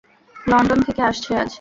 London থেকে আসছে আজ।